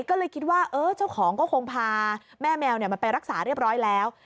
ก็เลยคิดว่าเจ้าของก็คงพาแม่แมวมันไปรักษาเรียบร้อยแล้ว